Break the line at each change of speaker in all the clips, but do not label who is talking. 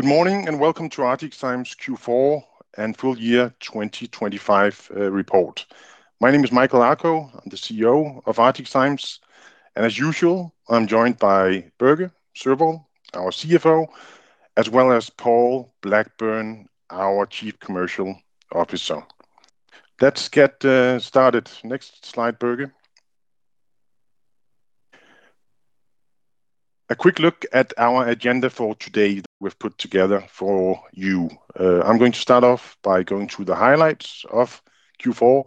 Good morning, and welcome to ArcticZymes' Q4 and full year 2025 report. My name is Michael B. Akoh. I'm the CEO of ArcticZymes, and as usual, I'm joined by Børge Sørvoll, our CFO, as well as Paul Blackburn, our Chief Commercial Officer. Let's get started. Next slide, Børge. A quick look at our agenda for today that we've put together for you. I'm going to start off by going through the highlights of Q4,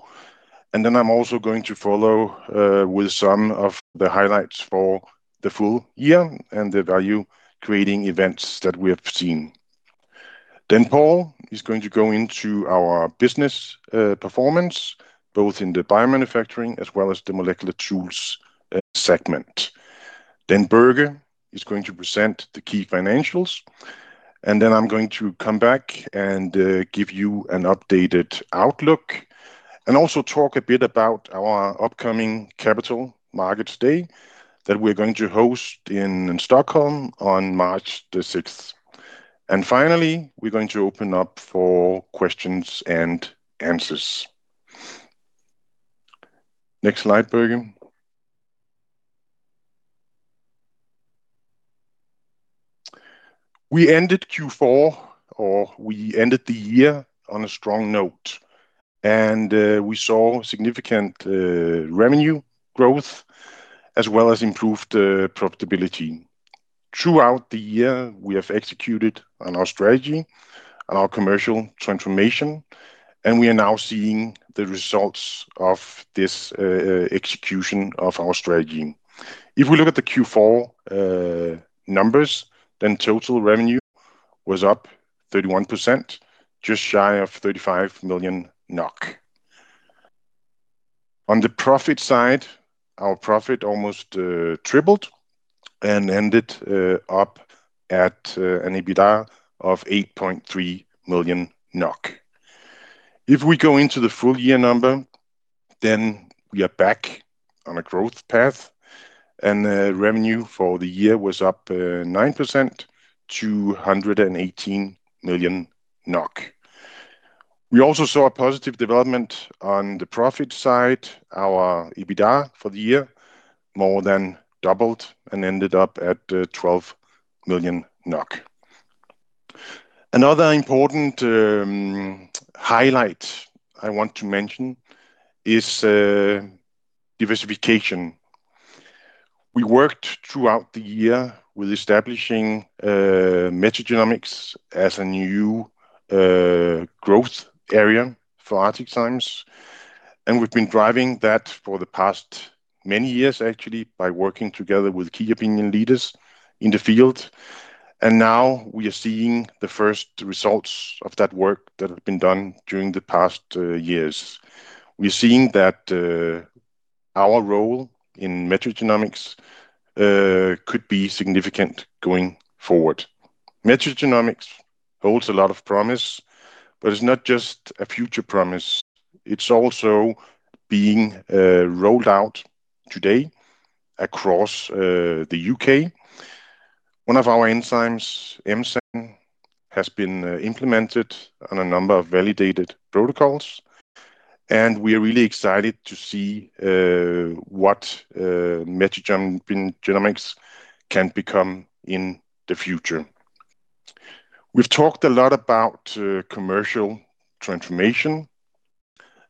and then I'm also going to follow with some of the highlights for the full year and the value-creating events that we have seen. Then Paul is going to go into our business performance, both in the biomanufacturing as well as the molecular tools segment. Then Børge is going to present the key financials, and then I'm going to come back and, give you an updated outlook and also talk a bit about our upcoming Capital Markets Day that we're going to host in Stockholm on March the sixth. And finally, we're going to open up for questions and answers. Next slide, Børge. We ended Q4, or we ended the year on a strong note, and, we saw significant, revenue growth as well as improved, profitability. Throughout the year, we have executed on our strategy and our commercial transformation, and we are now seeing the results of this, execution of our strategy. If we look at the Q4, numbers, then total revenue was up 31%, just shy of 35 million NOK. On the profit side, our profit almost tripled and ended up at an EBITDA of 8.3 million NOK. If we go into the full year number, then we are back on a growth path, and revenue for the year was up 9%, 218 million NOK. We also saw a positive development on the profit side. Our EBITDA for the year more than doubled and ended up at 12 million NOK. Another important highlight I want to mention is diversification. We worked throughout the year with establishing metagenomics as a new growth area for ArcticZymes, and we've been driving that for the past many years, actually, by working together with key opinion leaders in the field. And now we are seeing the first results of that work that has been done during the past years. We're seeing that our role in metagenomics could be significant going forward. Metagenomics holds a lot of promise, but it's not just a future promise, it's also being rolled out today across the UK. One of our enzymes, M-SAN, has been implemented on a number of validated protocols, and we are really excited to see what metagenomics can become in the future. We've talked a lot about commercial transformation.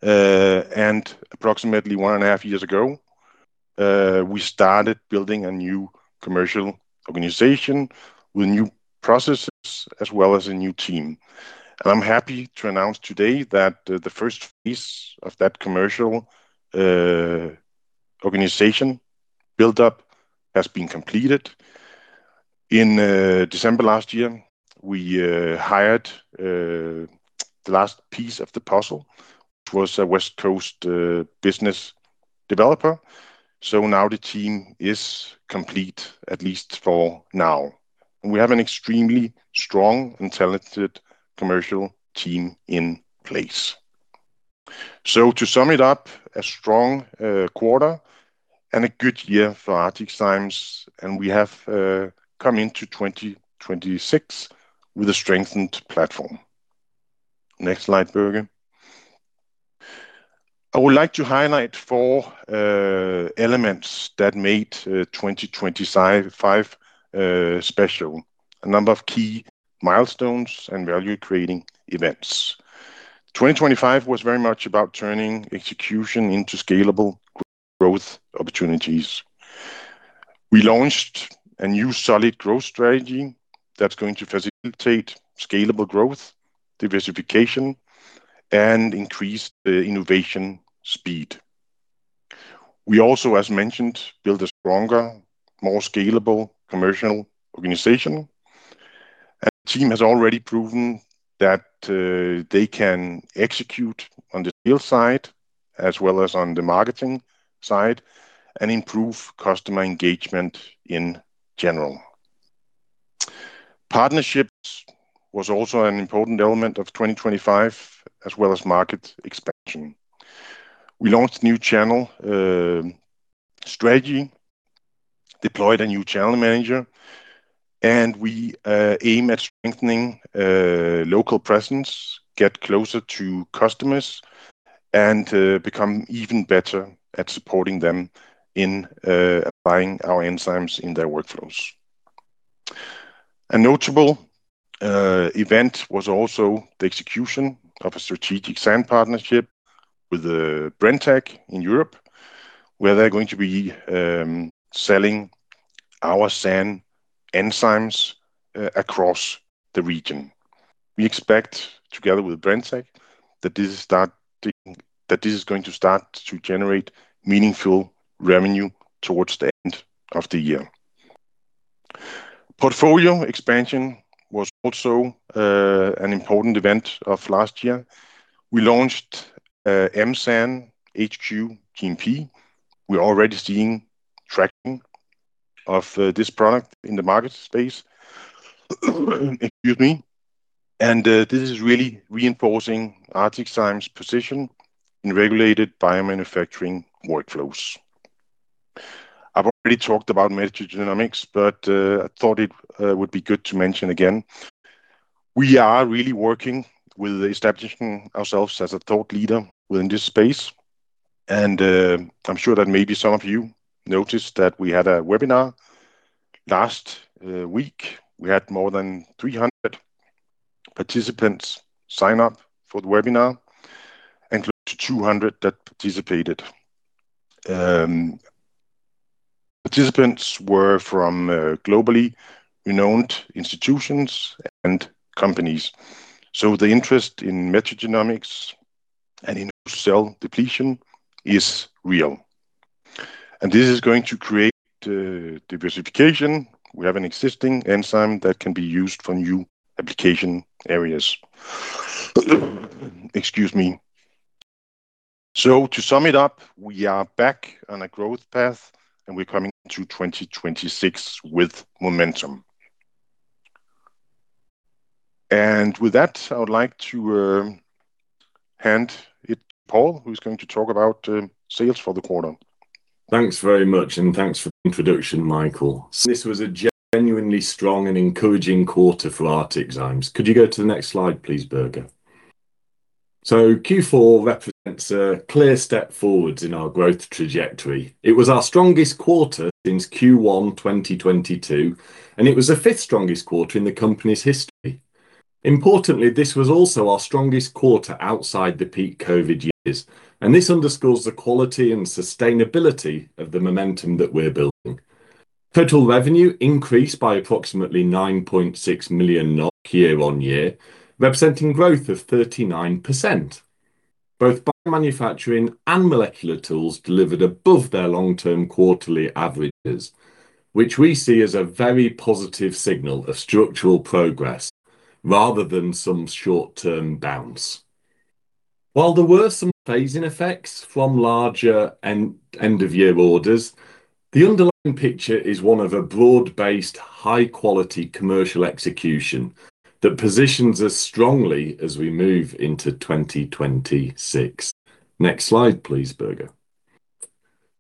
And approximately 1.5 years ago, we started building a new commercial organization with new processes as well as a new team. And I'm happy to announce today that the first piece of that commercial organization build-up has been completed. In December last year, we hired the last piece of the puzzle, which was a West Coast business developer. So now the team is complete, at least for now. We have an extremely strong and talented commercial team in place. So to sum it up, a strong quarter and a good year for ArcticZymes, and we have come into 2026 with a strengthened platform. Next slide, Børge. I would like to highlight four elements that made 2025 special. A number of key milestones and value-creating events. 2025 was very much about turning execution into scalable growth opportunities. We launched a new solid growth strategy that's going to facilitate scalable growth, diversification, and increase the innovation speed. We also, as mentioned, built a stronger, more scalable commercial organization. The team has already proven that they can execute on the sales side as well as on the marketing side and improve customer engagement in general. Partnerships was also an important element of 2025 as well as market expansion. We launched new channel strategy, deployed a new channel manager, and we aim at strengthening local presence, get closer to customers, and become even better at supporting them in applying our enzymes in their workflows. A notable event was also the execution of a strategic SAN partnership with Brenntag in Europe, where they're going to be selling our SAN enzymes across the region. We expect, together with Brenntag, that this is going to start to generate meaningful revenue towards the end of the year. Portfolio expansion was also an important event of last year. We launched M-SAN HQ GMP. We're already seeing tracking of this product in the market space. Excuse me. This is really reinforcing ArcticZymes' position in regulated biomanufacturing workflows. I've already talked about metagenomics, but I thought it would be good to mention again. We are really working with establishing ourselves as a thought leader within this space, and I'm sure that maybe some of you noticed that we had a webinar last week. We had more than 300 participants sign up for the webinar and close to 200 that participated. Participants were from globally renowned institutions and companies. So the interest in metagenomics and in cell depletion is real, and this is going to create diversification. We have an existing enzyme that can be used for new application areas. Excuse me. To sum it up, we are back on a growth path, and we're coming into 2026 with momentum. With that, I would like to hand it to Paul, who's going to talk about sales for the quarter.
Thanks very much, and thanks for the introduction, Michael. This was a genuinely strong and encouraging quarter for ArcticZymes. Could you go to the next slide, please, Børge? So Q4 represents a clear step forward in our growth trajectory. It was our strongest quarter since Q1, 2022, and it was the fifth strongest quarter in the company's history. Importantly, this was also our strongest quarter outside the peak COVID years, and this underscores the quality and sustainability of the momentum that we're building. Total revenue increased by approximately 9.6 million year-on-year, representing growth of 39%. Both biomanufacturing and molecular tools delivered above their long-term quarterly averages, which we see as a very positive signal of structural progress rather than some short-term bounce. While there were some phasing effects from larger end of year orders, the underlying picture is one of a broad-based, high-quality commercial execution that positions us strongly as we move into 2026. Next slide please, Børge Sørvoll.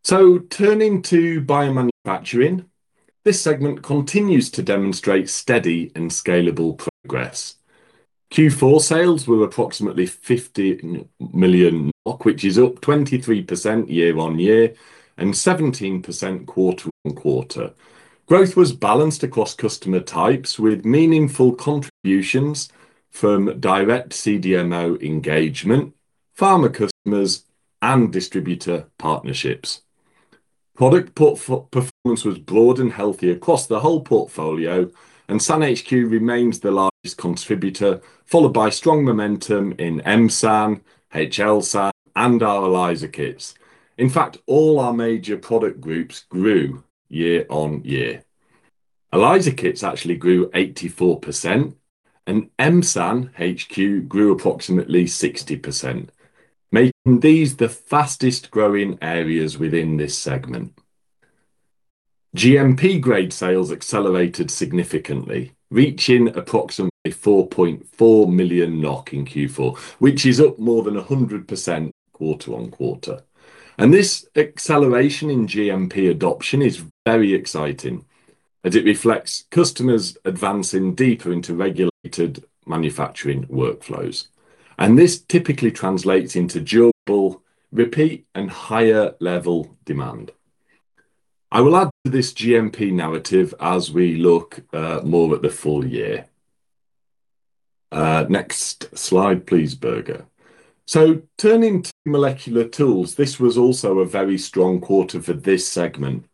So turning to biomanufacturing, this segment continues to demonstrate steady and scalable progress. Q4 sales were approximately 50 million, which is up 23% year-over-year and 17% quarter-over-quarter. Growth was balanced across customer types, with meaningful contributions from direct CDMO engagement, pharma customers, and distributor partnerships. Product performance was broad and healthy across the whole portfolio, and SAN HQ remains the largest contributor, followed by strong momentum in M-SAN, HL-SAN, and our ELISA kits. In fact, all our major product groups grew year-over-year. ELISA kits actually grew 84%, and M-SAN HQ grew approximately 60%, making these the fastest growing areas within this segment. GMP grade sales accelerated significantly, reaching approximately 4.4 million NOK in Q4, which is up more than 100% quarter-on-quarter. This acceleration in GMP adoption is very exciting, as it reflects customers advancing deeper into regulated manufacturing workflows, and this typically translates into durable, repeat, and higher level demand. I will add to this GMP narrative as we look more at the full year. Next slide please, Børge. Turning to molecular tools, this was also a very strong quarter for this segment.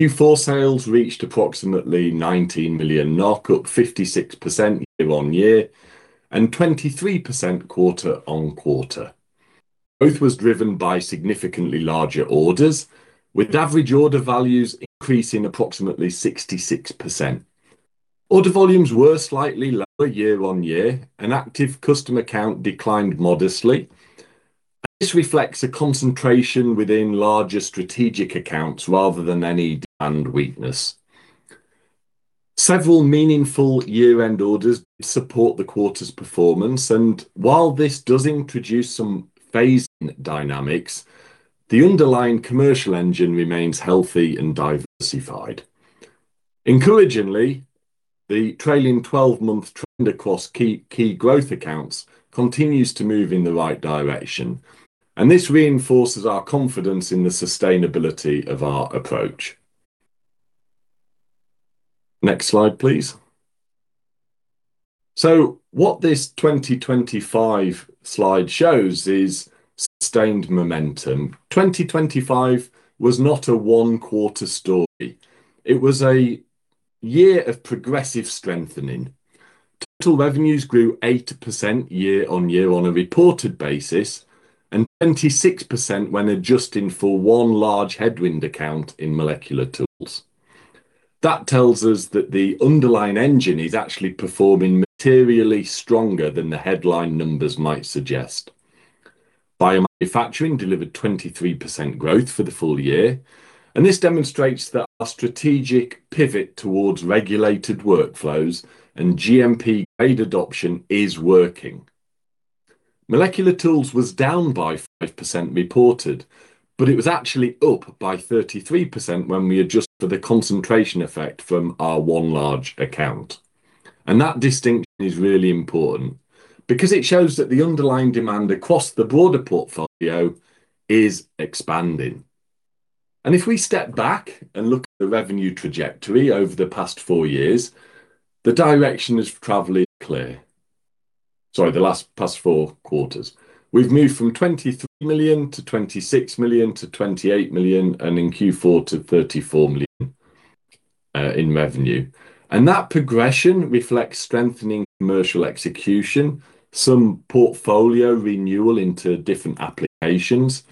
Q4 sales reached approximately 19 million NOK, up 56% year-on-year and 23% quarter-on-quarter. Both was driven by significantly larger orders, with average order values increasing approximately 66%. Order volumes were slightly lower year-on-year, and active customer count declined modestly. This reflects a concentration within larger strategic accounts rather than any demand weakness. Several meaningful year-end orders support the quarter's performance, and while this does introduce some phasing dynamics, the underlying commercial engine remains healthy and diversified. Encouragingly, the trailing 12-month trend across key, key growth accounts continues to move in the right direction, and this reinforces our confidence in the sustainability of our approach. Next slide, please. So what this 2025 slide shows is sustained momentum. 2025 was not a one-quarter story. It was a year of progressive strengthening. Total revenues grew 8% year-on-year on a reported basis, and 26% when adjusting for one large headwind account in Molecular Tools. That tells us that the underlying engine is actually performing materially stronger than the headline numbers might suggest. Biomanufacturing delivered 23% growth for the full year, and this demonstrates that our strategic pivot towards regulated workflows and GMP grade adoption is working. Molecular Tools was down by 5% reported, but it was actually up by 33% when we adjusted for the concentration effect from our one large account. That distinction is really important because it shows that the underlying demand across the broader portfolio is expanding. If we step back and look at the revenue trajectory over the past four years, the direction is probably clear. Sorry, the last past four quarters, we've moved from 23 million to 26 million to 28 million, and in Q4 to 34 million in revenue. That progression reflects strengthening commercial execution, some portfolio renewal into different applications,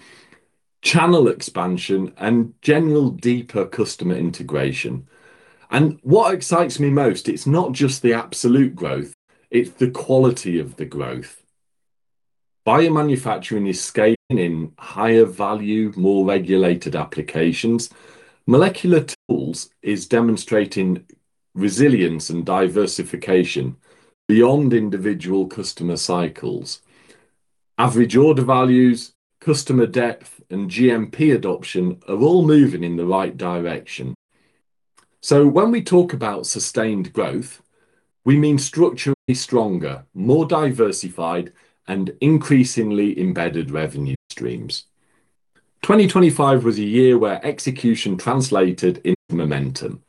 channel expansion, and general deeper customer integration. What excites me most, it's not just the absolute growth, it's the quality of the growth. Biomanufacturing is scaling in higher value, more regulated applications. Molecular tools is demonstrating resilience and diversification beyond individual customer cycles. Average order values, customer depth, and GMP adoption are all moving in the right direction. So when we talk about sustained growth, we mean structurally stronger, more diversified, and increasingly embedded revenue streams. 2025 was a year where execution translated into momentum,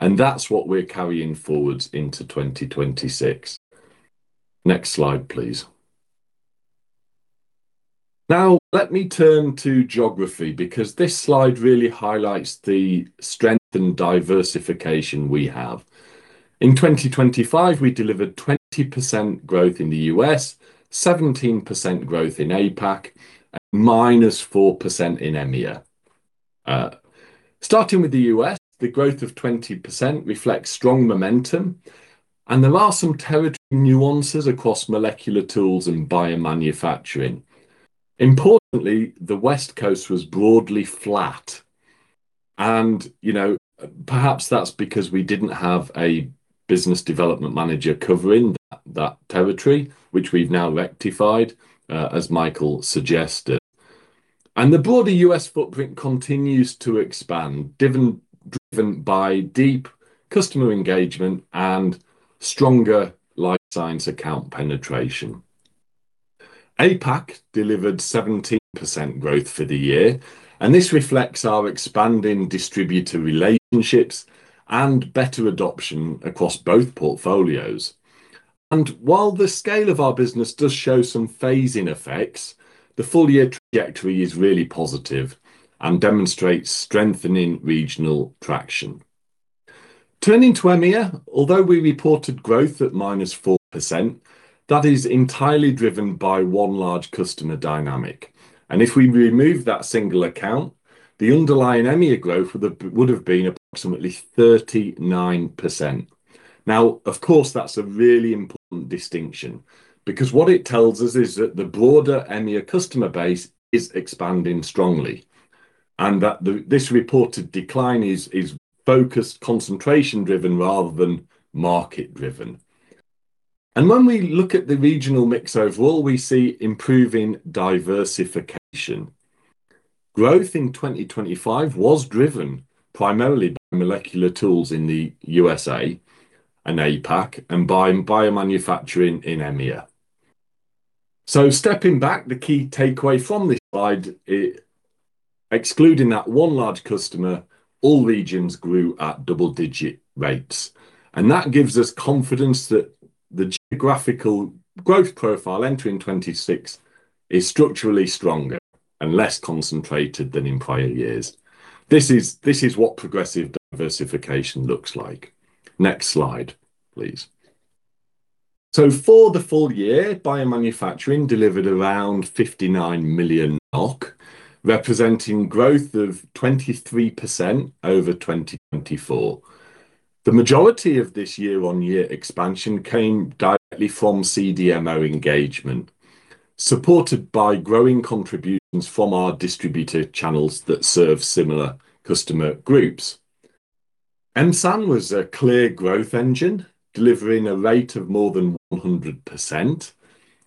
and that's what we're carrying forwards into 2026. Next slide, please. Now, let me turn to geography, because this slide really highlights the strength and diversification we have. In 2025, we delivered 20% growth in the US, 17% growth in APAC, and -4% in EMEA. Starting with the U.S., the growth of 20% reflects strong momentum, and there are some territory nuances across Molecular Tools and Biomanufacturing. Importantly, the West Coast was broadly flat, and, you know, perhaps that's because we didn't have a business development manager covering that territory, which we've now rectified, as Michael suggested. The broader U.S. footprint continues to expand, driven, driven by deep customer engagement and stronger life science account penetration. APAC delivered 17% growth for the year, and this reflects our expanding distributor relationships and better adoption across both portfolios. While the scale of our business does show some phasing effects, the full year trajectory is really positive and demonstrates strengthening regional traction. Turning to EMEA, although we reported growth at -4%, that is entirely driven by one large customer dynamic. If we remove that single account, the underlying EMEA growth would have been approximately 39%. Now, of course, that's a really important distinction, because what it tells us is that the broader EMEA customer base is expanding strongly, and that this reported decline is focused concentration-driven rather than market-driven. When we look at the regional mix overall, we see improving diversification. Growth in 2025 was driven primarily by molecular tools in the USA and APAC and by biomanufacturing in EMEA. So stepping back, the key takeaway from this slide. Excluding that one large customer, all regions grew at double-digit rates, and that gives us confidence that the geographical growth profile entering 2026 is structurally stronger and less concentrated than in prior years. This is what progressive diversification looks like. Next slide, please. So for the full year, biomanufacturing delivered around 59 million NOK, representing growth of 23% over 2024. The majority of this year-on-year expansion came directly from CDMO engagement, supported by growing contributions from our distributor channels that serve similar customer groups. M-SAN was a clear growth engine, delivering a rate of more than 100%.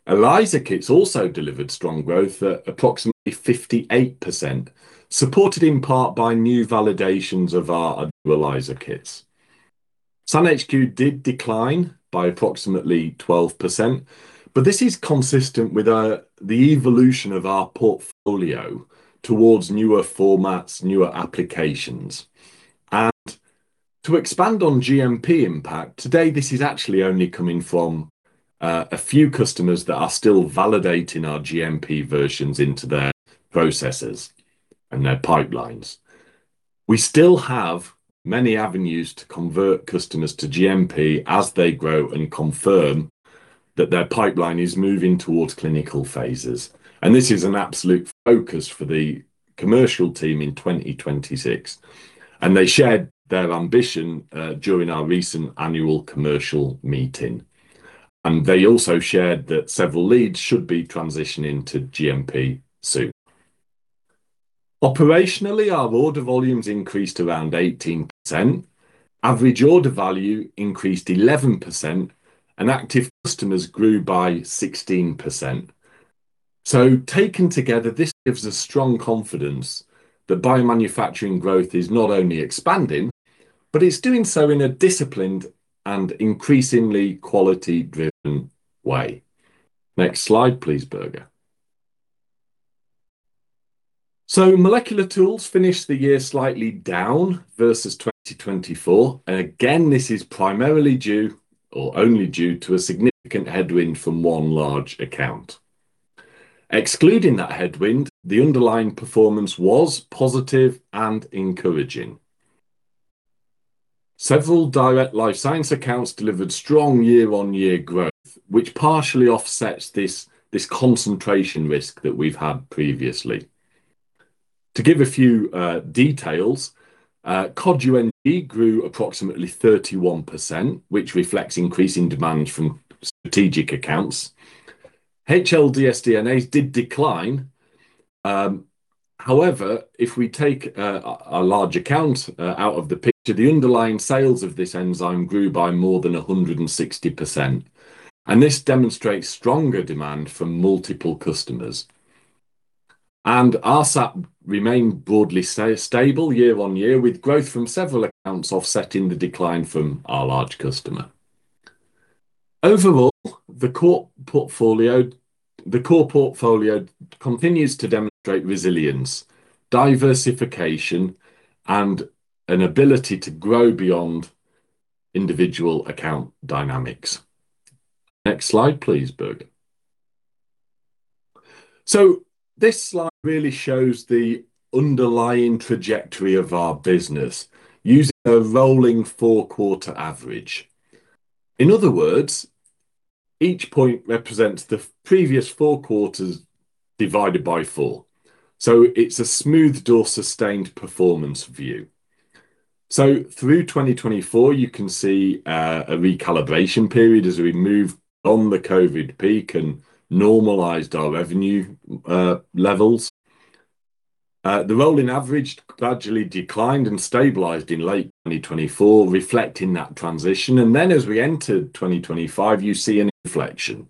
ELISA kits also delivered strong growth at approximately 58%, supported in part by new validations of our ELISA kits. SAN HQ did decline by approximately 12%, but this is consistent with the evolution of our portfolio towards newer formats, newer applications. And to expand on GMP impact, today, this is actually only coming from a few customers that are still validating our GMP versions into their processes and their pipelines. We still have many avenues to convert customers to GMP as they grow and confirm that their pipeline is moving towards clinical phases. This is an absolute focus for the commercial team in 2026, and they shared their ambition during our recent annual commercial meeting. They also shared that several leads should be transitioning to GMP soon. Operationally, our order volumes increased around 18%, average order value increased 11%, and active customers grew by 16%. Taken together, this gives us strong confidence that biomanufacturing growth is not only expanding, but it's doing so in a disciplined and increasingly quality-driven way. Next slide, please, Børge. Molecular tools finished the year slightly down versus 2024, and again, this is primarily due, or only due, to a significant headwind from one large account. Excluding that headwind, the underlying performance was positive and encouraging. Several direct life science accounts delivered strong year-over-year growth, which partially offsets this concentration risk that we've had previously. To give a few details, Cod UNG grew approximately 31%, which reflects increasing demand from strategic accounts. HL-dsDNase did decline. However, if we take a large account out of the picture, the underlying sales of this enzyme grew by more than 160%, and this demonstrates stronger demand from multiple customers. And rSAP remained broadly stable year-over-year, with growth from several accounts offsetting the decline from our large customer. Overall, the core portfolio continues to demonstrate resilience, diversification, and an ability to grow beyond individual account dynamics. Next slide, please, Børge. So this slide really shows the underlying trajectory of our business using a rolling four-quarter average. In other words, each point represents the previous four quarters divided by four, so it's a smoothed or sustained performance view. So through 2024, you can see a recalibration period as we moved on the COVID peak and normalized our revenue levels. The rolling average gradually declined and stabilized in late 2024, reflecting that transition. Then as we entered 2025, you see an inflection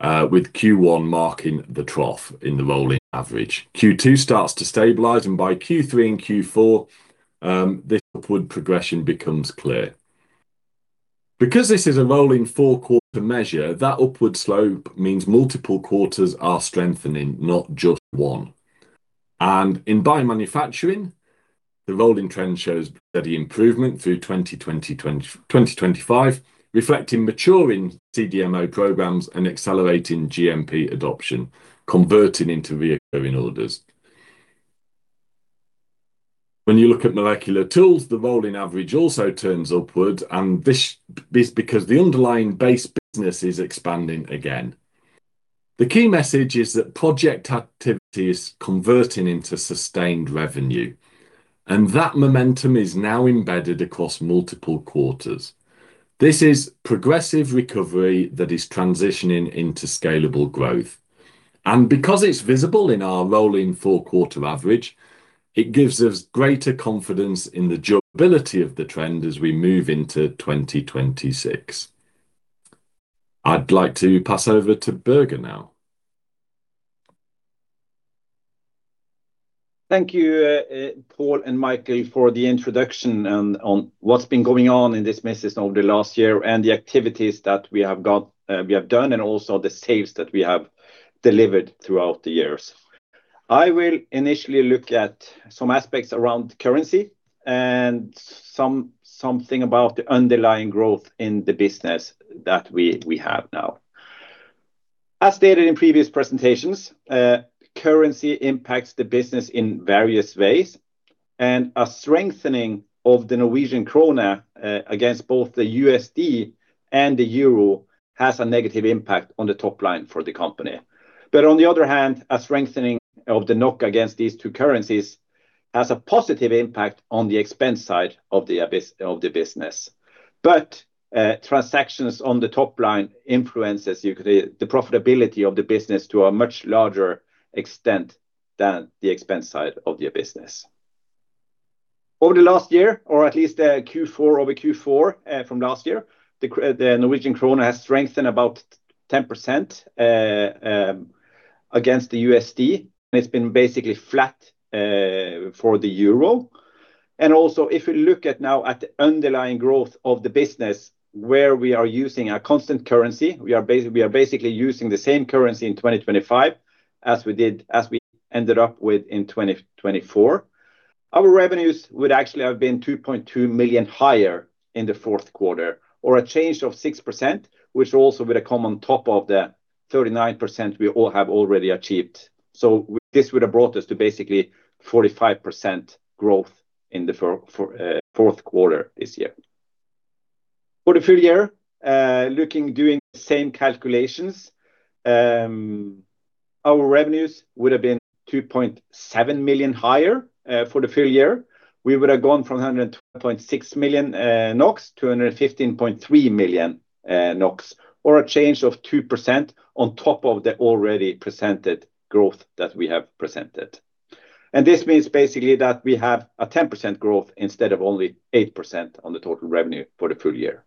with Q1 marking the trough in the rolling average. Q2 starts to stabilize, and by Q3 and Q4, this upward progression becomes clear. Because this is a rolling four-quarter measure, that upward slope means multiple quarters are strengthening, not just one. In biomanufacturing, the rolling trend shows steady improvement through 2025, reflecting maturing CDMO programs and accelerating GMP adoption, converting into recurring orders. When you look at Molecular Tools, the rolling average also turns upwards, and this is because the underlying base business is expanding again. The key message is that project activity is converting into sustained revenue, and that momentum is now embedded across multiple quarters. This is progressive recovery that is transitioning into scalable growth, and because it's visible in our rolling four-quarter average, it gives us greater confidence in the durability of the trend as we move into 2026. I'd like to pass over to Børge now.
Thank you, Paul and Michael, for the introduction and on what's been going on in this message over the last year, and the activities that we have done, and also the saves that we have delivered throughout the years. I will initially look at some aspects around currency and something about the underlying growth in the business that we have now. As stated in previous presentations, currency impacts the business in various ways, and a strengthening of the Norwegian kroner against both the USD and the euro has a negative impact on the top line for the company. But on the other hand, a strengthening of the NOK against these two currencies has a positive impact on the expense side of the business. But, transactions on the top line influences the profitability of the business to a much larger extent than the expense side of your business. Over the last year, or at least Q4 over Q4 from last year, the Norwegian kroner has strengthened about 10% against the USD, and it's been basically flat for the euro. And also, if we look now at the underlying growth of the business, where we are using a constant currency, we are basically using the same currency in 2025 as we did, as we ended up with in 2024. Our revenues would actually have been 2.2 million higher in the Q4, or a change of 6%, which also would have come on top of the 39% we all have already achieved. This would have brought us to basically 45% growth in the Q4 this year. For the full year, looking, doing the same calculations, our revenues would have been 2.7 million higher for the full year. We would have gone from 100.6 million-115.3 million NOK, or a change of 2% on top of the already presented growth that we have presented. This means basically that we have a 10% growth instead of only 8% on the total revenue for the full year.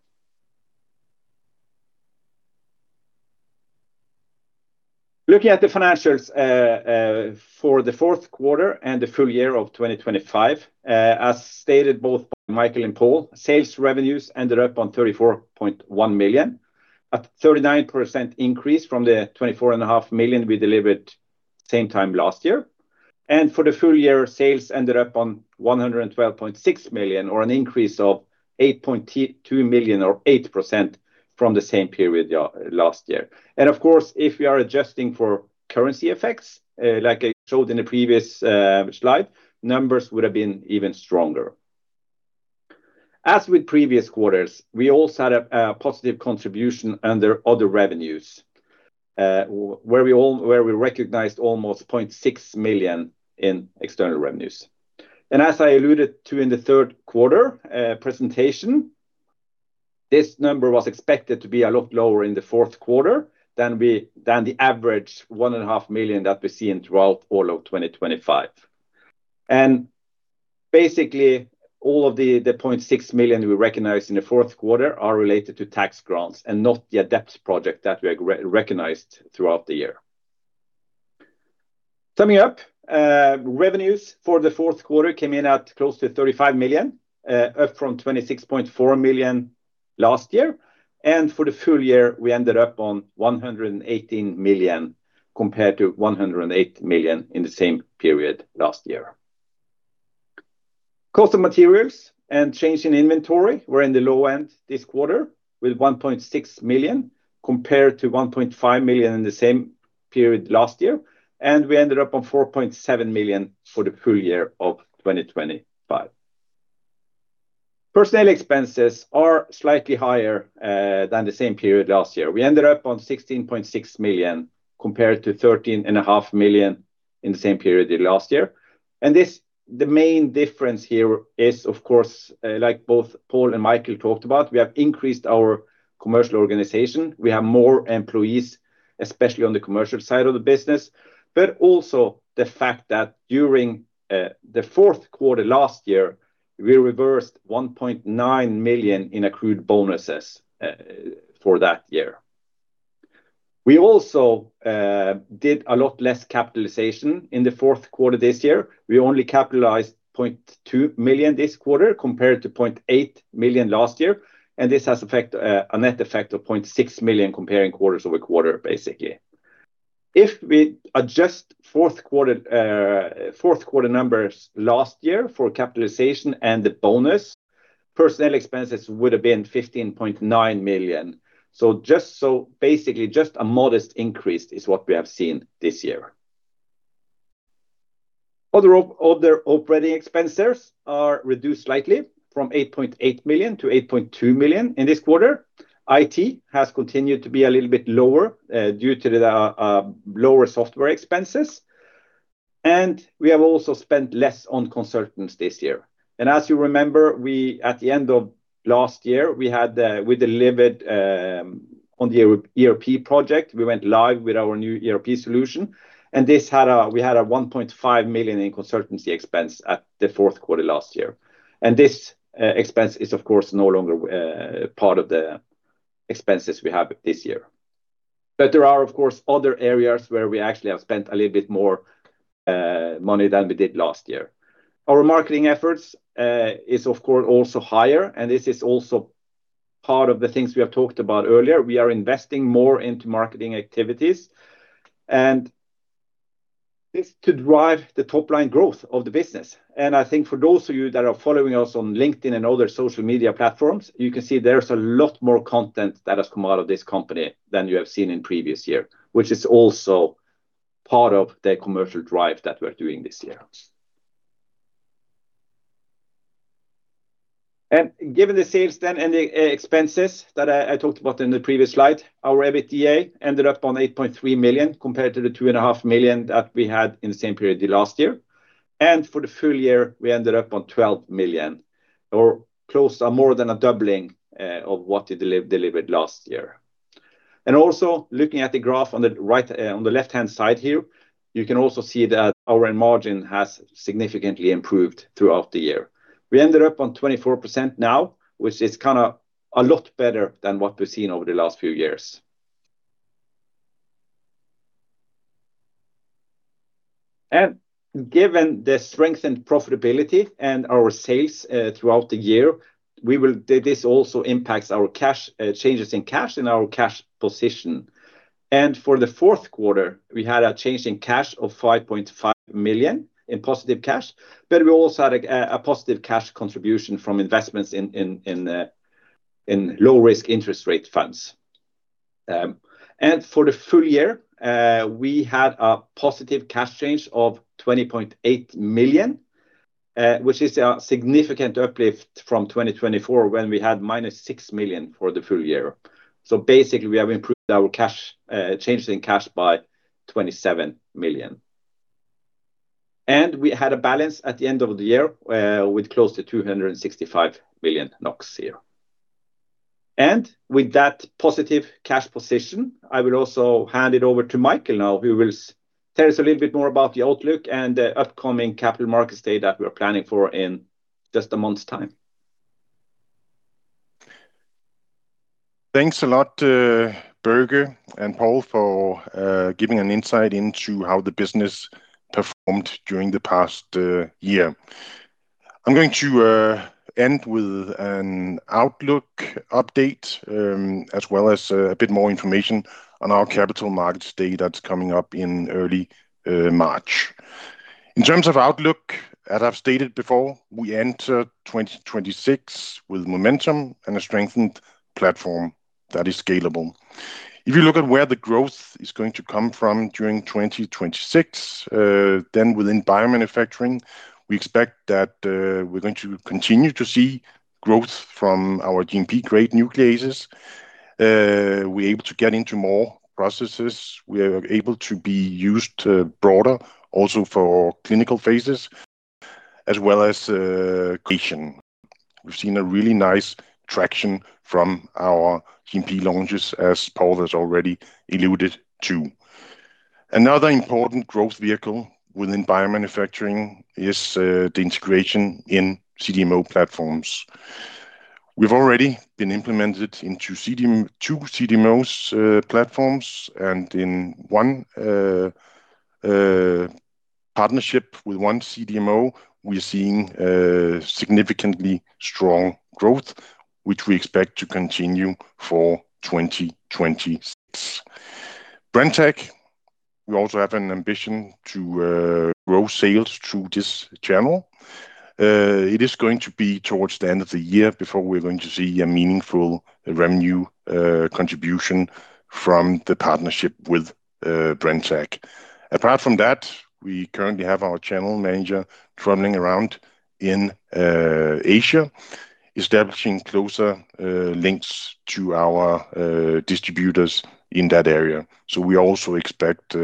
Looking at the financials, for the Q4 and the full year of 2025, as stated, both by Michael and Paul, sales revenues ended up on 34.1 million, a 39% increase from the 24.5 million we delivered same time last year. For the full year, sales ended up on 112.6 million, or an increase of 8.2 million or 8% from the same period last year. Of course, if we are adjusting for currency effects, like I showed in the previous slide, numbers would have been even stronger. As with previous quarters, we also had a positive contribution under other revenues, where we recognized almost 0.6 million in external revenues. As I alluded to in the Q3 presentation, this number was expected to be a lot lower in the Q4 than the average 1.5 million that we see throughout all of 2025. Basically, all of the 0.6 million we recognize in the Q4 are related to tax grants and not the AdEPT project that we re-recognized throughout the year. Summing up, revenues for the Q4 came in at close to 35 million, up from 26.4 million last year, and for the full year, we ended up on 118 million, compared to 108 million in the same period last year. Cost of materials and change in inventory were in the low end this quarter, with 1.6 million, compared to 1.5 million in the same period last year, and we ended up on 4.7 million for the full year of 2025. Personnel expenses are slightly higher than the same period last year. We ended up on 16.6 million, compared to 13.5 million in the same period as last year. This, the main difference here is, of course, like both Paul and Michael talked about, we have increased our commercial organization. We have more employees, especially on the commercial side of the business, but also the fact that during the Q4 last year, we reversed 1.9 million in accrued bonuses for that year. We also did a lot less capitalization in the Q4 this year. We only capitalized 0.2 million this quarter, compared to 0.8 million last year, and this has effect, a net effect of 0.6 million comparing quarters-over-quarter, basically. If we adjust Q4, Q4 numbers last year for capitalization and the bonus, personnel expenses would have been 15.9 million. So just so basically, just a modest increase is what we have seen this year. Other operating expenses are reduced slightly from 8.8 million to 8.2 million in this quarter. IT has continued to be a little bit lower, due to the, lower software expenses, and we have also spent less on consultants this year. As you remember, at the end of last year, we delivered on the ERP project. We went live with our new ERP solution, and we had a 1.5 million in consultancy expense at the Q4 last year. This expense is of course no longer part of the expenses we have this year. But there are, of course, other areas where we actually have spent a little bit more money than we did last year. Our marketing efforts is of course also higher, and this is also part of the things we have talked about earlier. We are investing more into marketing activities, and this to drive the top-line growth of the business. I think for those of you that are following us on LinkedIn and other social media platforms, you can see there's a lot more content that has come out of this company than you have seen in previous year, which is also part of the commercial drive that we're doing this year. Given the sales then and the expenses that I talked about in the previous slide, our EBITDA ended up on 8.3 million, compared to the 2.5 million that we had in the same period the last year. For the full year, we ended up on 12 million, or close to more than a doubling of what we delivered last year. Also looking at the graph on the right, on the left-hand side here, you can also see that our margin has significantly improved throughout the year. We ended up on 24% now, which is kind of a lot better than what we've seen over the last few years. Given the strength and profitability and our sales throughout the year, this also impacts our cash, changes in cash in our cash position. For the Q4, we had a change in cash of 5.5 million in positive cash, but we also had a positive cash contribution from investments in low-risk interest rate funds. For the full year, we had a positive cash change of 20.8 million, which is a significant uplift from 2024, when we had -6 million for the full year. So basically, we have improved our cash changes in cash by 27 million. And we had a balance at the end of the year with close to 265 million NOK here. And with that positive cash position, I will also hand it over to Michael now, who will tell us a little bit more about the outlook and the upcoming Capital Markets Day that we are planning for in just a month's time.
Thanks a lot, Børge and Paul, for giving an insight into how the business performed during the past year. I'm going to end with an outlook update, as well as a bit more information on our Capital Markets Day that's coming up in early March. In terms of outlook, as I've stated before, we enter 2026 with momentum and a strengthened platform that is scalable. If you look at where the growth is going to come from during 2026, then within biomanufacturing, we expect that we're going to continue to see growth from our GMP-grade nucleases. We're able to get into more processes. We are able to be used broader, also for clinical phases, as well as creation. We've seen a really nice traction from our GMP launches, as Paul has already alluded to. Another important growth vehicle within biomanufacturing is the integration in CDMO platforms. We've already been implemented into 2 CDMOs platforms, and in one partnership with one CDMO, we're seeing significantly strong growth, which we expect to continue for 2026. Brenntag, we also have an ambition to grow sales through this channel. It is going to be towards the end of the year before we're going to see a meaningful revenue contribution from the partnership with Brenntag. Apart from that, we currently have our channel manager traveling around in Asia, establishing closer links to our distributors in that area. So we also expect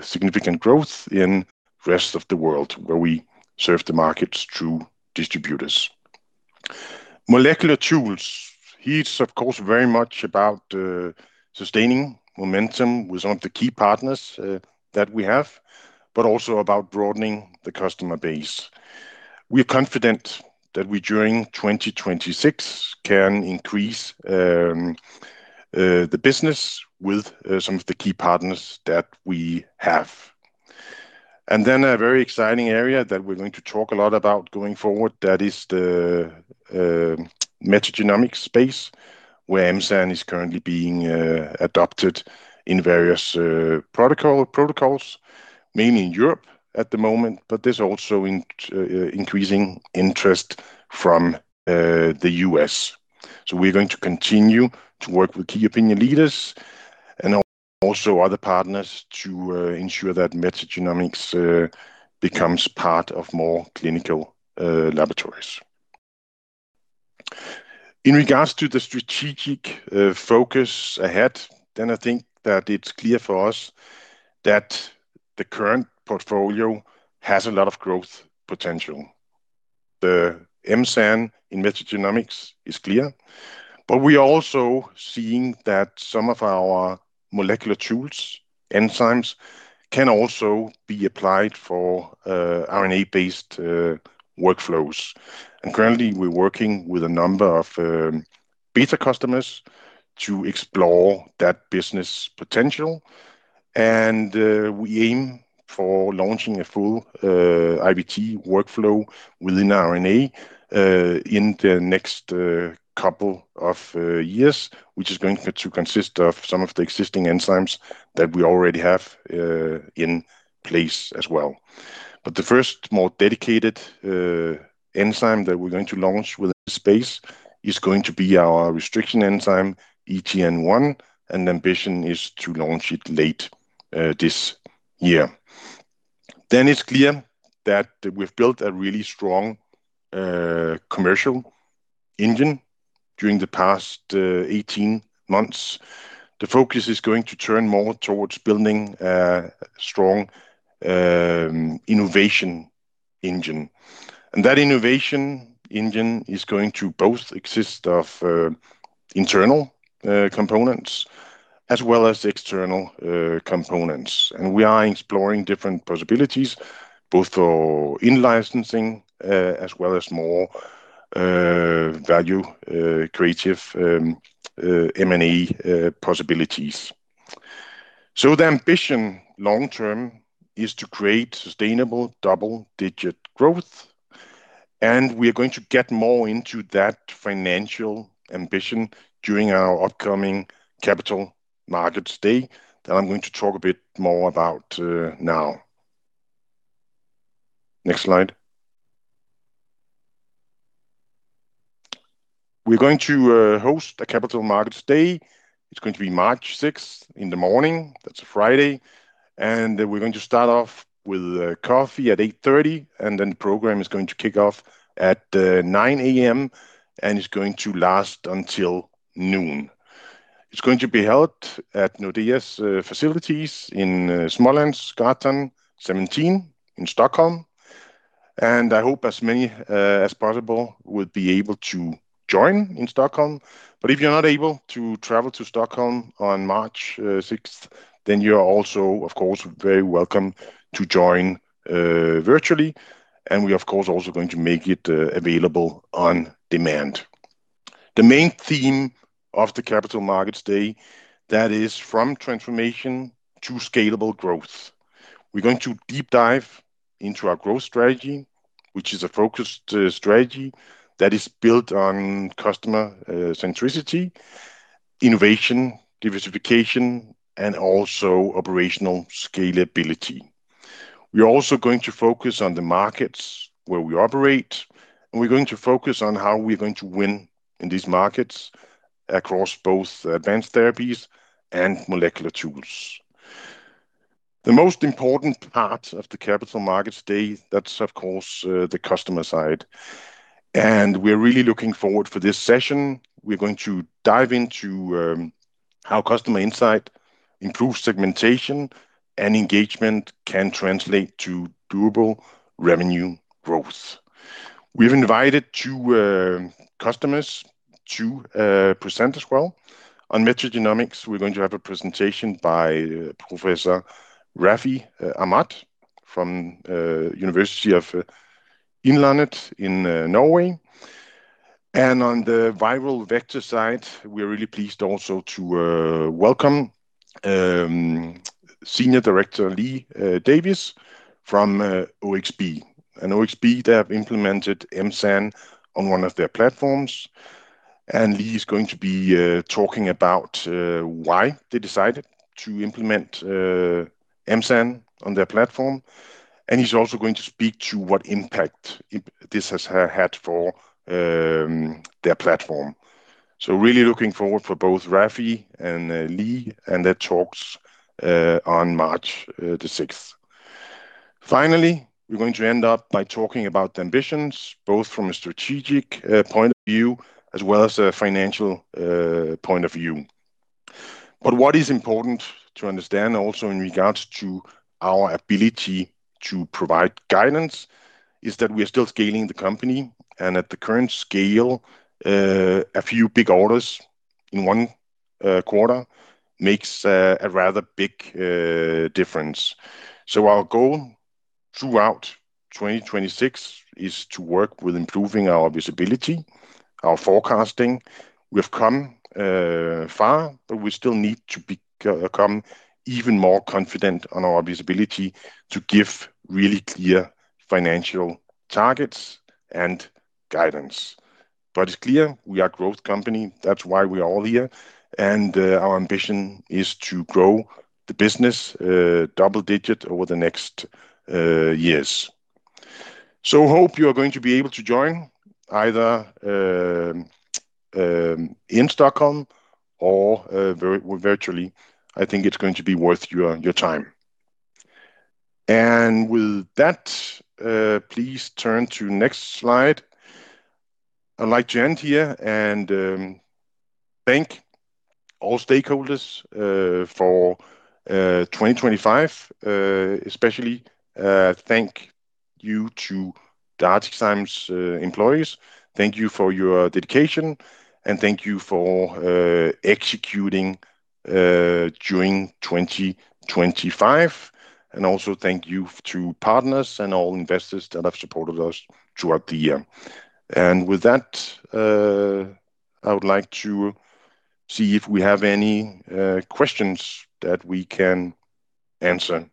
significant growth in rest of the world, where we serve the markets through distributors. Molecular tools. Here, it's, of course, very much about, sustaining momentum with one of the key partners, that we have, but also about broadening the customer base. We are confident that we, during 2026, can increase, the business with, some of the key partners that we have. Then a very exciting area that we're going to talk a lot about going forward, that is the, metagenomic space, where M-SAN is currently being, adopted in various protocols, mainly in Europe at the moment, but there's also increasing interest from, the U.S. So we're going to continue to work with key opinion leaders and also other partners to, ensure that metagenomics, becomes part of more clinical, laboratories. In regards to the strategic focus ahead, then I think that it's clear for us that the current portfolio has a lot of growth potential. The M-SAN in metagenomics is clear, but we are also seeing that some of our molecular tools, enzymes, can also be applied for RNA-based workflows. And currently, we're working with a number of beta customers to explore that business potential. And we aim for launching a full IVT workflow within RNA in the next couple of years, which is going to consist of some of the existing enzymes that we already have in place as well. But the first more dedicated enzyme that we're going to launch with the space is going to be our restriction enzyme, ET-N1, and the ambition is to launch it late this year. Then it's clear that we've built a really strong commercial engine during the past 18 months. The focus is going to turn more towards building a strong innovation engine. And that innovation engine is going to both exist of internal components as well as external components. And we are exploring different possibilities, both for in-licensing as well as more value creative M&A possibilities. So the ambition long term is to create sustainable double-digit growth, and we are going to get more into that financial ambition during our upcoming Capital Markets Day, that I'm going to talk a bit more about now. Next slide. We're going to host a Capital Markets Day. It's going to be March 6th, in the morning, that's a Friday. We're going to start off with coffee at 8:30 AM., and then the program is going to kick off at 9:00 AM., and it's going to last until 12:00 PM. It's going to be held at Nordea's facilities in Smålandsgatan 17 in Stockholm, and I hope as many as possible will be able to join in Stockholm. But if you're not able to travel to Stockholm on March 6, then you are also, of course, very welcome to join virtually, and we, of course, also going to make it available on demand. The main theme of the Capital Markets Day, that is from transformation to scalable growth. We're going to deep dive into our growth strategy, which is a focused strategy that is built on customer centricity, innovation, diversification, and also operational scalability. We are also going to focus on the markets where we operate, and we're going to focus on how we're going to win in these markets across both advanced therapies and molecular tools. The most important part of the Capital Markets Day, that's of course the customer side, and we're really looking forward for this session. We're going to dive into how customer insight, improved segmentation, and engagement can translate to durable revenue growth. We've invited two customers to present as well. On metagenomics, we're going to have a presentation by Professor Rafi Ahmad from Inland Norway University of Applied Sciences in Norway. And on the viral vector side, we are really pleased also to welcome Senior Director Lee Davies from OXB. OXB, they have implemented M-SAN on one of their platforms, and Lee is going to be talking about why they decided to implement M-SAN on their platform, and he's also going to speak to what impact this has had for their platform. Really looking forward for both Rafi and Lee, and their talks on March the sixth. Finally, we're going to end up by talking about the ambitions, both from a strategic point of view, as well as a financial point of view. What is important to understand also in regards to our ability to provide guidance is that we are still scaling the company, and at the current scale, a few big orders in one quarter makes a rather big difference. So our goal throughout 2026 is to work with improving our visibility, our forecasting. We've come far, but we still need to become even more confident on our visibility to give really clear financial targets and guidance. But it's clear we are a growth company. That's why we are all here, and our ambition is to grow the business double-digit over the next years. So, I hope you are going to be able to join either in Stockholm or virtually. I think it's going to be worth your time. And with that, please turn to next slide. I'd like to end here and thank all stakeholders for 2025. Especially, thank you to ArcticZymes employees. Thank you for your dedication, and thank you for executing during 2025. And also thank you to partners and all investors that have supported us throughout the year. And with that, I would like to see if we have any questions that we can answer.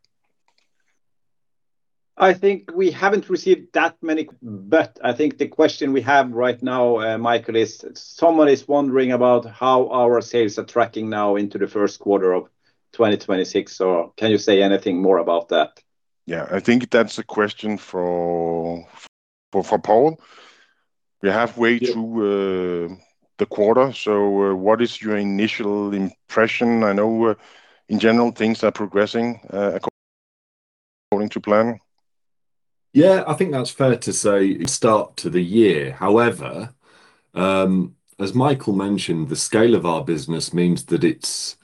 I think we haven't received that many, but I think the question we have right now, Michael, is someone is wondering about how our sales are tracking now into the Q1 of 2026. So can you say anything more about that?
Yeah, I think that's a question for Paul. We're halfway through the quarter, so what is your initial impression? I know in general, things are progressing according to plan.
Yeah, I think that's fair to say, start to the year. However, as Michael mentioned, the scale of our business means that it's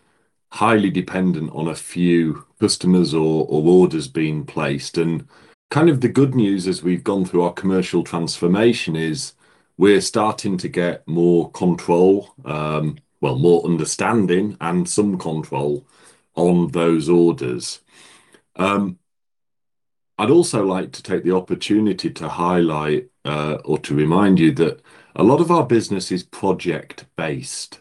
highly dependent on a few customers or orders being placed. And kind of the good news, as we've gone through our commercial transformation, is we're starting to get more control, well, more understanding and some control on those orders. I'd also like to take the opportunity to highlight, or to remind you that a lot of our business is project-based,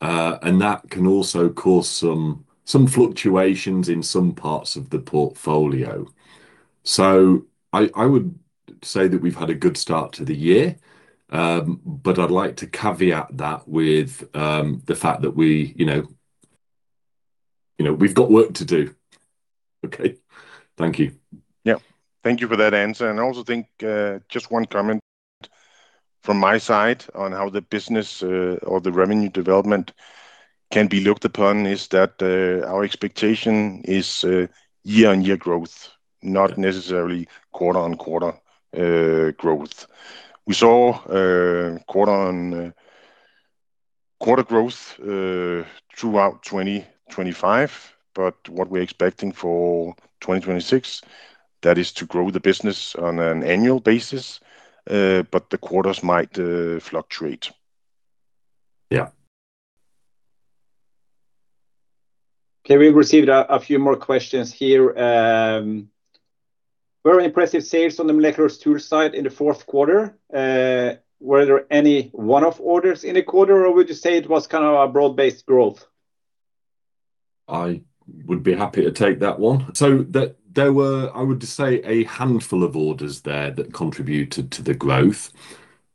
and that can also cause some fluctuations in some parts of the portfolio. So I would say that we've had a good start to the year, but I'd like to caveat that with the fact that we, you know, you know, we've got work to do. Okay. Thank you.
Yeah. Thank you for that answer. And I also think, just one comment from my side on how the business, or the revenue development can be looked upon, is that, our expectation is, year-on-year growth, not necessarily quarter-on-quarter, growth. We saw, quarter-on-quarter growth, throughout 2025, but what we're expecting for 2026, that is to grow the business on an annual basis, but the quarters might, fluctuate.
Yeah.
Okay, we've received a few more questions here. Very impressive sales on the molecular tools side in the Q4. Were there any one-off orders in the quarter, or would you say it was kind of a broad-based growth?
I would be happy to take that one. So there were, I would say, a handful of orders there that contributed to the growth.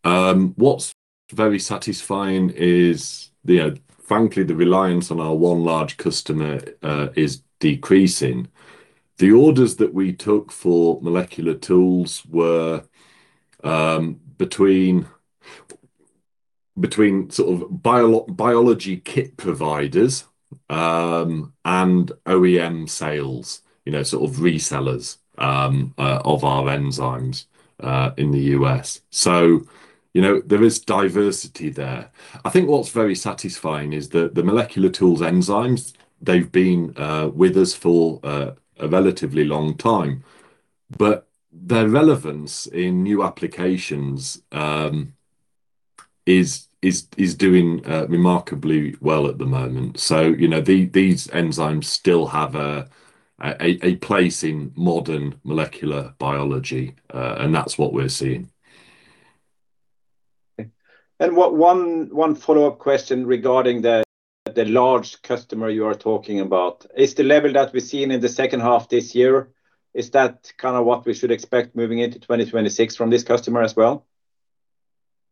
What's very satisfying is, you know, frankly, the reliance on our one large customer is decreasing. The orders that we took for Molecular Tools were between sort of biology kit providers and OEM sales, you know, sort of resellers of our enzymes in the U.S. So, you know, there is diversity there. I think what's very satisfying is that the Molecular Tools enzymes, they've been with us for a relatively long time, but their relevance in new applications is doing remarkably well at the moment. So, you know, these enzymes still have a place in modern molecular biology, and that's what we're seeing.
Okay. And one follow-up question regarding the large customer you are talking about. Is the level that we're seeing in the H2 this year kind of what we should expect moving into 2026 from this customer as well?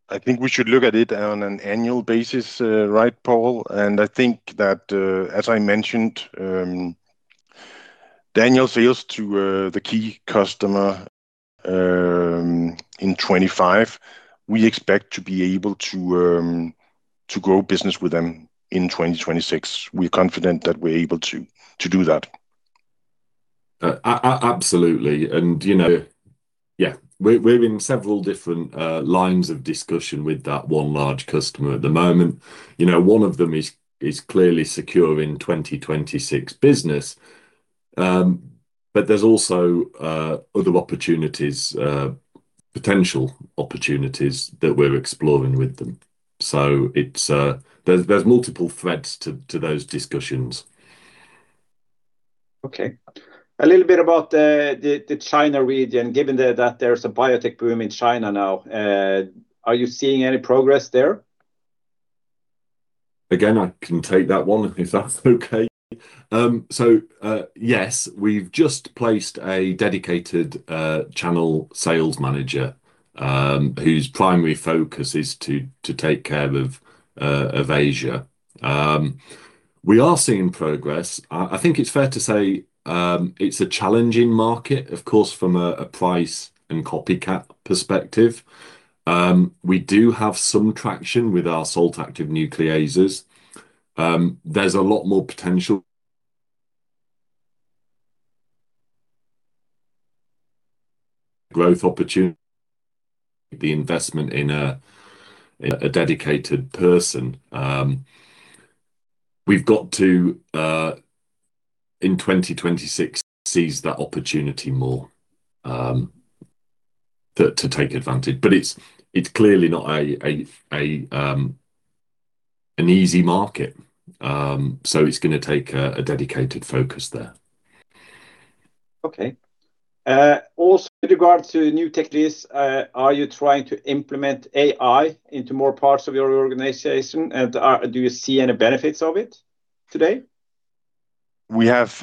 I think we should look at it on an annual basis, right, Paul? And I think that, as I mentioned, annual sales to the key customer in 2025, we expect to be able to to grow business with them in 2026. We're confident that we're able to to do that.
Absolutely. And, you know, yeah, we're in several different lines of discussion with that one large customer at the moment. You know, one of them is clearly secure in 2026 business. But there's also other opportunities, potential opportunities that we're exploring with them. So it's, there's multiple threads to those discussions.
Okay. A little bit about the China region, given that there's a biotech boom in China now, are you seeing any progress there?
Again, I can take that one, if that's okay. So, yes, we've just placed a dedicated channel sales manager, whose primary focus is to take care of Asia. We are seeing progress. I think it's fair to say, it's a challenging market, of course, from a price and copycat perspective. We do have some traction with our salt active nucleases. There's a lot more potential... growth opportunity, the investment in a dedicated person. We've got to, in 2026, seize that opportunity more, to take advantage. But it's clearly not an easy market, so it's gonna take a dedicated focus there.
Okay. Also regards to new techniques, are you trying to implement AI into more parts of your organization? And, do you see any benefits of it today?
We have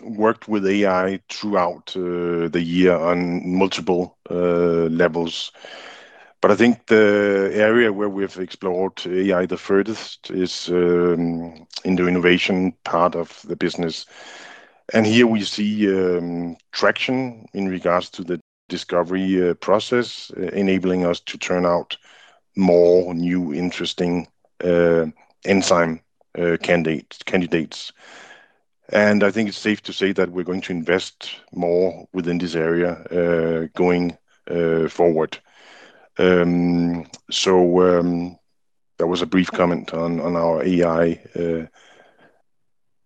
worked with AI throughout the year on multiple levels. But I think the area where we've explored AI the furthest is in the innovation part of the business. And here we see traction in regards to the discovery process, enabling us to turn out more new, interesting enzyme candidates. And I think it's safe to say that we're going to invest more within this area going forward. So that was a brief comment on our AI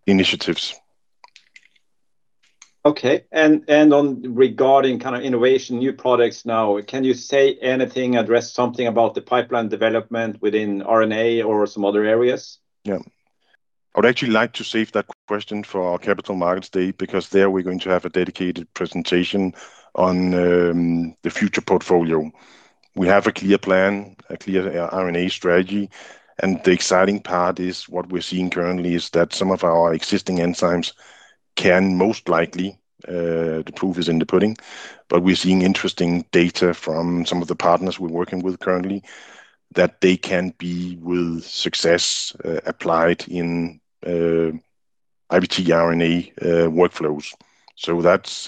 initiatives.
Okay. And on regarding kind of innovation, new products now, can you say anything, address something about the pipeline development within RNA or some other areas?
Yeah. I would actually like to save that question for our Capital Markets Day, because there we're going to have a dedicated presentation on the future portfolio. We have a clear plan, a clear RNA strategy, and the exciting part is what we're seeing currently is that some of our existing enzymes can most likely the proof is in the pudding, but we're seeing interesting data from some of the partners we're working with currently, that they can be, with success, applied in IVT RNA workflows. So that's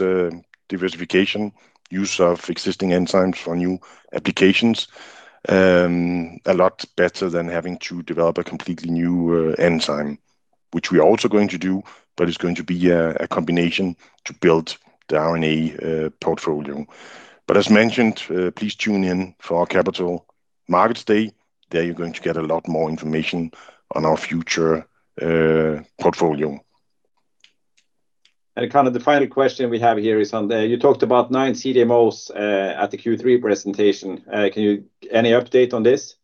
diversification, use of existing enzymes for new applications. A lot better than having to develop a completely new enzyme, which we are also going to do, but it's going to be a combination to build the RNA portfolio. But as mentioned, please tune in for our Capital Markets Day. There, you're going to get a lot more information on our future portfolio.
Kind of the final question we have here is on the you talked about 9 CDMOs at the Q3 presentation. Can you any update on this?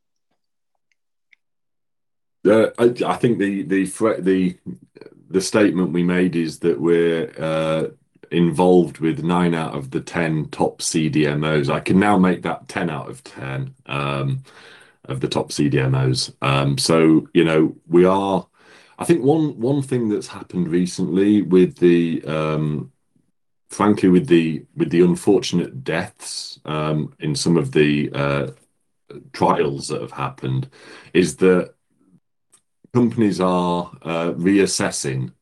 I think the statement we made is that we're involved with 9 out of the 10 top CDMOs. I can now make that 10 out of 10 of the top CDMOs. So, you know, we are. I think one thing that's happened recently... frankly, with the unfortunate deaths in some of the trials that have happened is that companies are reassessing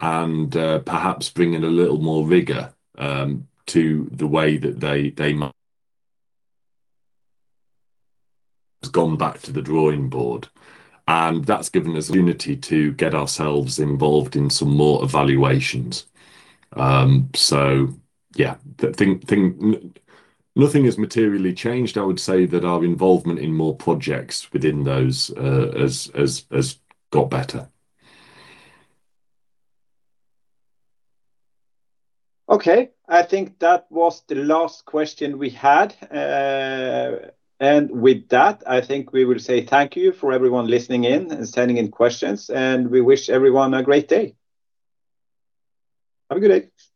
and perhaps bringing a little more rigor to the way that they have gone back to the drawing board, and that's given us an opportunity to get ourselves involved in some more evaluations. So yeah, nothing has materially changed. I would say that our involvement in more projects within those has got better.
Okay, I think that was the last question we had. And with that, I think we will say thank you for everyone listening in and sending in questions, and we wish everyone a great day. Have a good day. Bye.